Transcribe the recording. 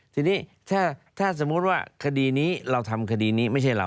ทีนี้ถ้าสมมุติว่าคดีนี้เราทำคดีนี้ไม่ใช่เรา